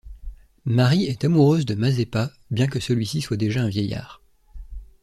Marie est amoureuse de Mazeppa, bien que celui-ci soit déjà un vieillard.